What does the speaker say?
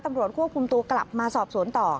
ตำรวจควบคุมตัวกลับมาสอบสวนต่อ